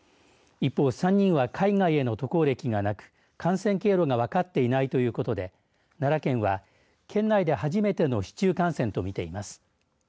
一方、３人は海外への渡航歴がなく感染経路が分かっていないということで奈良県は、県内で初めての市中感染とみています。